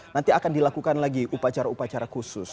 nanti akan dilakukan lagi upacara upacara khusus